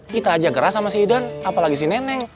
kita aja geras sama si idan apalagi si neneng